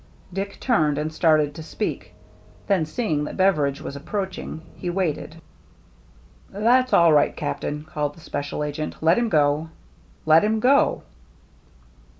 Dick turned, and started to speak; then, seeing that Beveridge was approaching, he waited. " That's all right. Captain," called the special agent ;" let him go." " Let him go